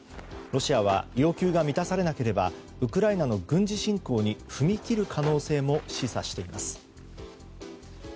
ロシアは要求が満たされなければウクライナの軍事侵攻に踏み切る可能性も示唆しています。